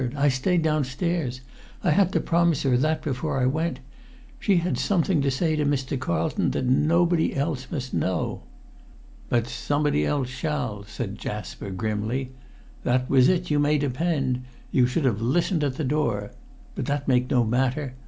I stayed downstairs. I had to promise her that before I went. She had something to say to Mr. Carlton that nobody else must know." "But somebody else shall!" said Jasper grimly. "That was it, you may depend; you should have listened at the door. But that make no matter.